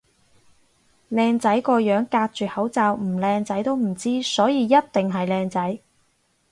靚仔個樣隔住口罩唔靚仔都唔知，所以一定係靚仔